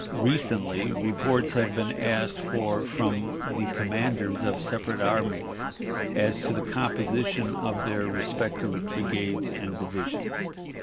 Recently reports have been asked for from the commanders of separate armies as to the composition of their respective brigades and divisions.